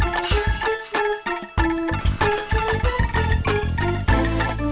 ada buku ini goreng pulung